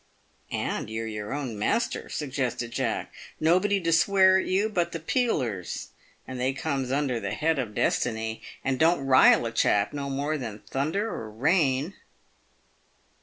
"And you're your own master," suggested Jack. "Nobody to swear at you but the Peelers, and they comes under the head of destiny, and don't rile a chap no more than thunder or rain."